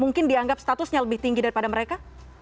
mungkin dianggap statusnya lebih tinggi daripada mereka